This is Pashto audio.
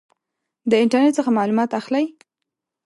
د انټرنټ څخه معلومات اخلئ؟